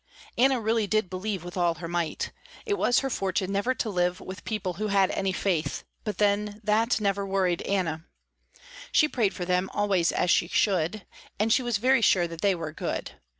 Anna really did believe with all her might. It was her fortune never to live with people who had any faith, but then that never worried Anna. She prayed for them always as she should, and she was very sure that they were good.